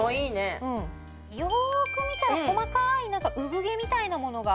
よーく見たら細かいなんか産毛みたいなものが。